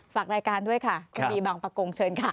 ฝากรายการด้วยค่ะคุณบีบางประกงเชิญค่ะ